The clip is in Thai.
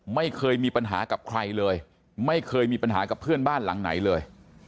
ไม่เคยมีปัญหากับใครเลยไม่เคยมีปัญหากับเพื่อนบ้านหลังไหนเลย